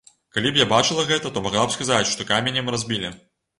Калі б я бачыла гэта, то магла б сказаць, што каменем разбілі.